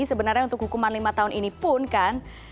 sebenarnya untuk hukuman lima tahun ini pun kan